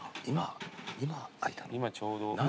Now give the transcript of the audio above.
今ちょうど。